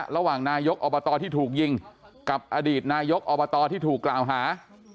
ระหว่างนายกอบตที่ถูกยิงกับอดีตนายกอบตที่ถูกกล่าวหา